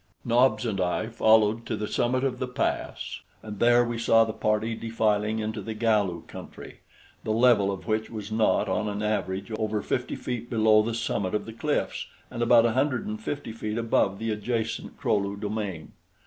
Nobs and I followed to the summit of the pass, and there we saw the party defiling into the Galu country, the level of which was not, on an average, over fifty feet below the summit of the cliffs and about a hundred and fifty feet above the adjacent Kro lu domain.